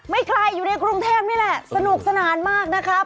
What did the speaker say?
ใครอยู่ในกรุงเทพนี่แหละสนุกสนานมากนะครับ